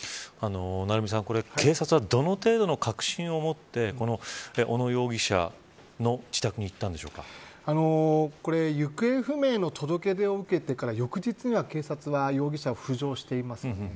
成三さん、警察はどの程度の確信をもって小野容疑者の自宅に行方不明の届け出を受けてから翌日には警察は容疑者が浮上しています。